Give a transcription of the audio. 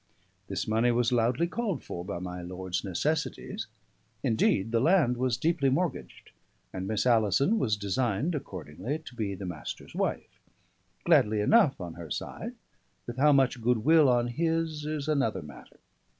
This money was loudly called for by my lord's necessities; indeed, the land was deeply mortgaged; and Miss Alison was designed accordingly to be the Master's wife, gladly enough on her side; with how much good will on his is another matter.